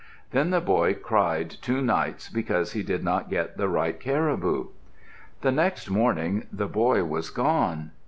Then the boy cried two nights because he did not get the right caribou. The next morning the boy was gone.